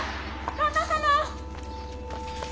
旦那様！